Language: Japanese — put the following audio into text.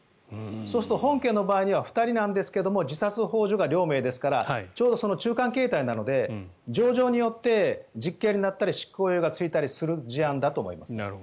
そうすると、本件の場合は２人なんですが自殺ほう助が両名ですからちょうどその中間形態なので情状によって実刑になったり執行猶予がついたりする事案だと思います。